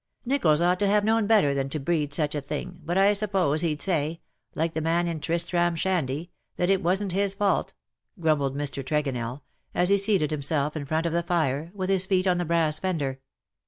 "Nicholls ought to have known better than to breed such a thing, but I sup^iose he^d say, like the man in Tristram Shandy, that it wasn't his fault," grumbled Mr. Tregonell, as he seated himself in front of the fire, with his feet on the brass fender.